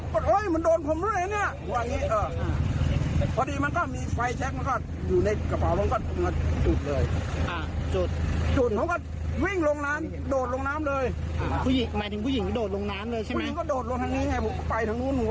ผู้หญิงก็โดดลงทางนี้ไงไปทางนู้นมันจะหากเลย